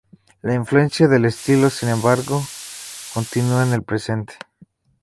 La influencia del estilo, sin embargo, continúa en el presente.